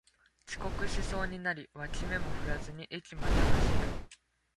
遅刻しそうになり脇目も振らずに駅まで走る